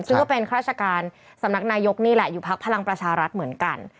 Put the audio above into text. ซึ่งก็เป็นข้าราชการสำนักนายกนี่แหละอยู่พักพลังประชารัฐเหมือนกัน